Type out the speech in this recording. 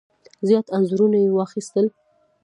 زیات انځورونه یې واخیستل.